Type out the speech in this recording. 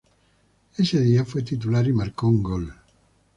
Ese día fue titular y marcó un gol.